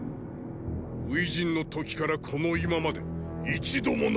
初陣の刻からこの今まで一度もな。